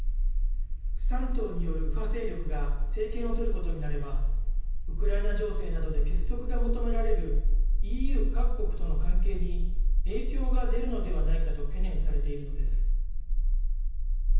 ３党による右派勢力が政権を取ることになればウクライナ情勢などで結束が求められるＥＵ各国との関係に影響が出るのではないかと懸念されているのです。